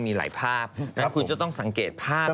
มีหลายภาพแต่คุณจะต้องสังเกตภาพ